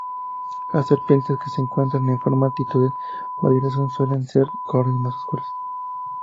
Las serpientes que se encuentran en altitudes mayores suelen tener colores más oscuros.